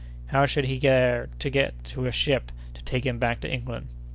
How should he there get to a ship to take him back to England?